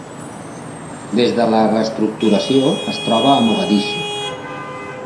Des de la reestructuració, es troba a Mogadiscio.